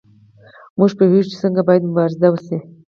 موږ پوهیږو چې څنګه باید مبارزه وشي.